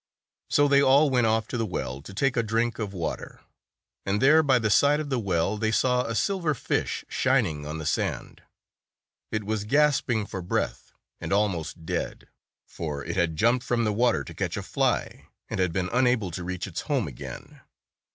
So they all went off to the well to take a drink of water; and there, by the side of the well, they saw a silver fish shining on the sand. It was gasping for breath and almost dead, for it had jumped from the water to catch a fly, and had been unable to reach its home again.